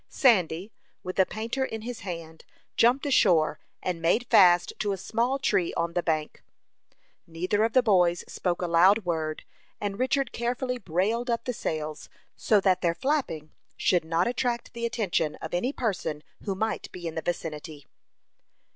Sandy, with the painter in his hand, jumped ashore, and made fast to a small tree on the bank. Neither of the boys spoke a loud word, and Richard carefully brailed up the sails, so that their flapping should not attract the attention of any person who might be in the vicinity.